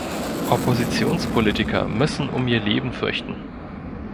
Oppositionspolitiker müssen um ihr Leben fürchten.